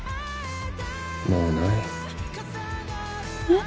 もうないえっ？